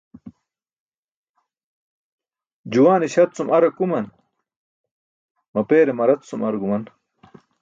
Juwaane śat cum ar akuman, mapeere marac cum ar guman.